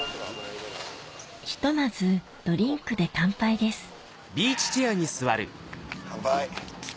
ひとまずドリンクで乾杯です乾杯。